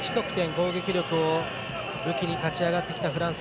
攻撃力を武器に勝ち上がってきたフランス。